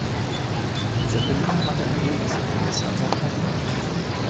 Zeppelin hatte ein reges Interesse an seiner Heimat.